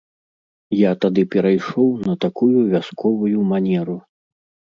Я тады перайшоў на такую вясковую манеру.